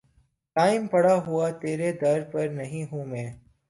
دائم پڑا ہوا تیرے در پر نہیں ہوں میں